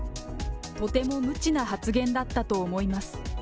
とても無知な発言だったと思います。